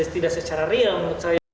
tidak secara real